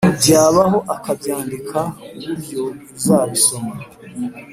byabaho akabyandika ku buryo uzabisoma